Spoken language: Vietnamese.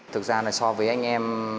thực ra này so với anh em